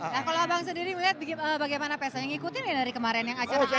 nah kalau abang sendiri melihat bagaimana pesa yang ngikutin ya dari kemarin yang acara